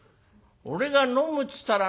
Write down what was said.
俺が飲むっつったら」。